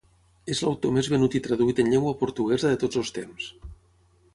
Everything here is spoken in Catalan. És l'autor més venut i traduït en llengua portuguesa de tots els temps.